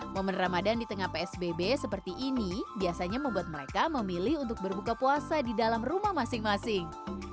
momen ramadan di tengah psbb seperti ini biasanya membuat mereka memilih untuk berbuka puasa di dalam rumah masing masing